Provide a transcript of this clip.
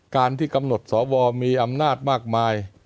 การที่กำหนดสวมีอำนาจมากมาย